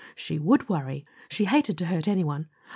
She WOULD worry. She hated to hurt anyone.